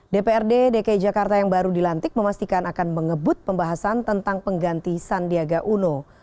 dprd dki jakarta yang baru dilantik memastikan akan mengebut pembahasan tentang pengganti sandiaga uno